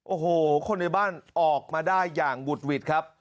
โอ้โหคนในบ้านออกมาได้อย่างบุดหวิดครับ